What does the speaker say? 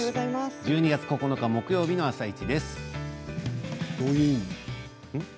１２月９日木曜日の「あさイチ」です。